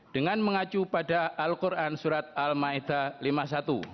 dengan mengacu pada al quran surat al ma'idah lima puluh satu